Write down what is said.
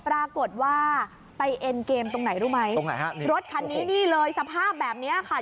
ปรากฏว่าไปเอ็นเกมตรงไหนรู้ไหมตรงไหนฮะรถคันนี้นี่เลยสภาพแบบนี้ค่ะ